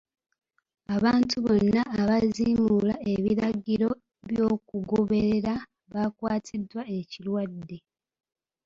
Abantu bonna abaaziimuula ebiragiro by'okugoberera baakwatiddwa ekirwadde.